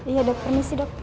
iya dok permisi dok